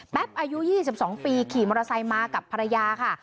อายุ๒๒ปีขี่มอเตอร์ไซค์มากับภรรยาค่ะ